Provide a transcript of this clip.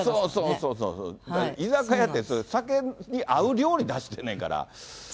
そうそう、居酒屋って酒に合う料理出してんねんから。